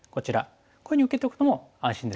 こういうふうに受けておくのも安心です。